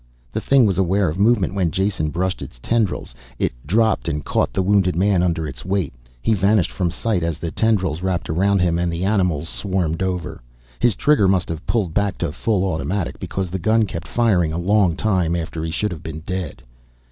The thing was aware of movement when Jason brushed its tendrils. It dropped and caught the wounded man under its weight. He vanished from sight as the tendrils wrapped around him and the animals swarmed over. His trigger must have pulled back to full automatic because the gun kept firing a long time after he should have been dead.